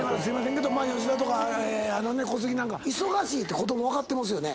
吉田とか小杉なんか忙しいと子供分かってますよね。